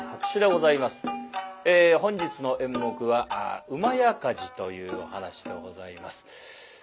本日の演目は「火事」というお噺でございます。